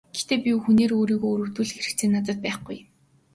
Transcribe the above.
Гэхдээ би хүнээр өөрийгөө өрөвдүүлэх хэрэгцээ надад байхгүй.